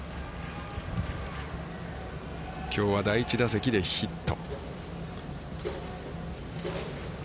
きょうは第１打席でヒット。